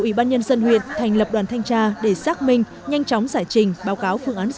ủy ban nhân dân huyện thành lập đoàn thanh tra để xác minh nhanh chóng giải trình báo cáo